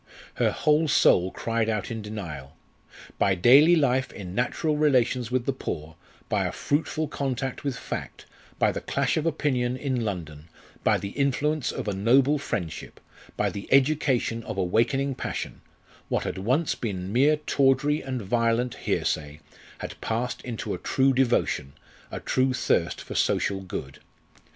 Her whole soul cried out in denial. By daily life in natural relations with the poor, by a fruitful contact with fact, by the clash of opinion in London, by the influence of a noble friendship, by the education of awakening passion what had once been mere tawdry and violent hearsay had passed into a true devotion, a true thirst for social good.